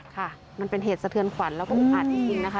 ค่ะมันเป็นเหตุสะเทือนขวัญแล้วก็อุกอาจจริงนะคะ